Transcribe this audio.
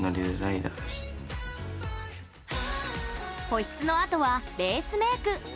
保湿のあとは、ベースメーク。